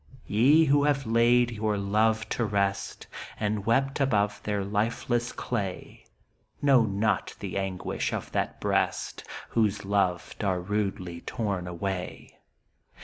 Ye who have laid your lov'd to rest. And wept above their lifeless clay, Know not the anguish of that breast. Whose lov'd are rudely torn away.